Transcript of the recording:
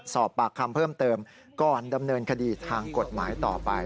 สอบปากคำเพิ่มเติมก่อนดำเนินคดีทางกฎหมายต่อไป